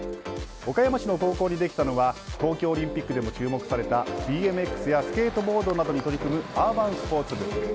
岡山市の高校にできたのは東京オリンピックでも注目されたＢＭＸやスケートボードなどに取り組むアーバンスポーツ部。